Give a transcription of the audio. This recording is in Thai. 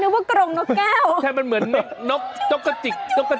นึกว่ากรมนกแก้ว